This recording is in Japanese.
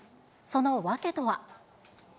その訳とは。